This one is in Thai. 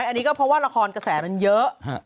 อันนี้ก็เพราะว่าละครแสเหล่านั้นเยอะ